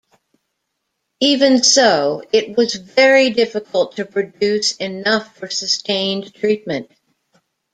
Even so, it was very difficult to produce enough for sustained treatment.